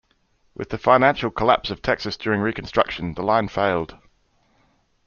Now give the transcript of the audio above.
With the financial collapse of Texas during Reconstruction, the line failed.